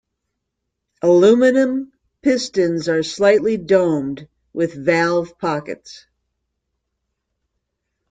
Aluminum pistons are slightly domed with valve pockets.